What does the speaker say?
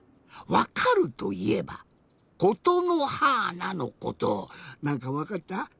わかるといえば「ことのはーな」のことなんかわかった？